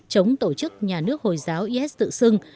chống tổ chức nhà nước hồi giáo is tự xưng